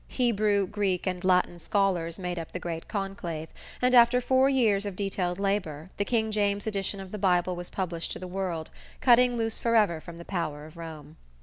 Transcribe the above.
Hebrew, Greek and Latin scholars made up the great conclave; and after four years of detailed labor the King James edition of the Bible was published to the world, cutting loose forever from the power of Rome.